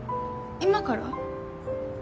今から？